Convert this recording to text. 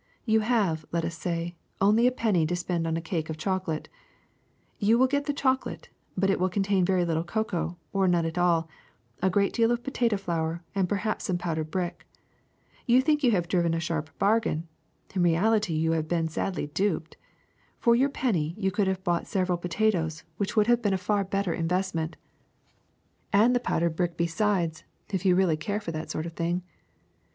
You have, let us say, only a penny to spend on a cake of choco late; you will get the chocolate, but it will contain very little cocoa, or none at all, a great deal of potato flour, and perhaps some powdered brick. You think you have driven a sharp bargain ; in reality you have been sadly duped. For your penny you could have bought several potatoes, which would have been a far better investment, and the powdered brick be CHOCOLATE 197 sides, if you really care for that sort of thing.